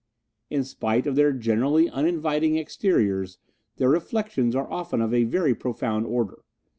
In spite of their generally uninviting exteriors Their reflexions are often of a very profound order.